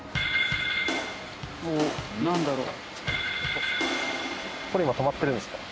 おっなんだろう？